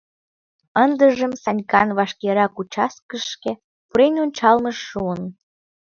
— ындыжым Санькан вашкерак участкышке пурен ончалмыже шуын.